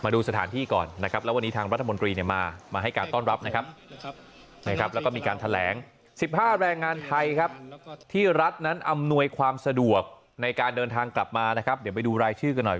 เดินทางกลับมาเดี๋ยวไปดูรายชื่อกันหน่อย